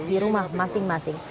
di rumah masing masing